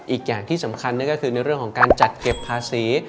อีกอย่างที่สำคัญนั่นก็คือในเรื่องของการจัดเก็บภาษี